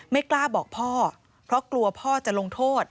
ไม่กล้าบอกพ่อเพราะกลัวพ่อจะลงโทษ